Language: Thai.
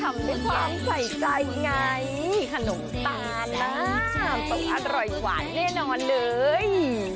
ทำได้ความใส่ใจไงขนมตาลน่ะอร่อยกว่าแน่นอนเลย